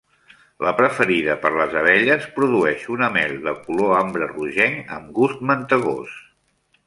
La preferida per les abelles, produeix una mel de color ambre rogenc, amb gust mantegós.